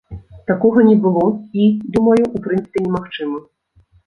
Такога не было, і думаю, у прынцыпе немагчыма.